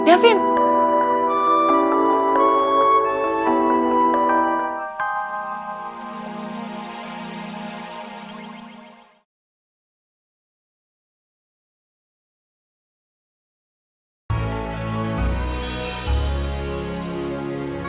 akan dibenci sama sahabat sahabatnya sendiri